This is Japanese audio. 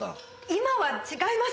今は違います！